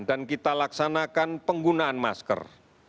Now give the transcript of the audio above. dan kita laksanakan penggunaan masker